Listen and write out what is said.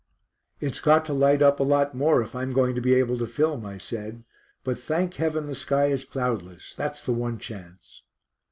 "It's got to light up a lot more if I'm going to be able to film," I said. "But thank heaven the sky is cloudless. That's the one chance."